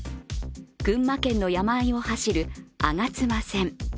群馬県の山あいを走る吾妻線。